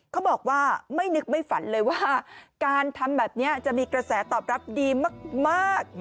เขาบอกว่าไม่นึกไม่ฝันเลยว่าการทำแบบนี้จะมีกระแสตอบรับดีมาก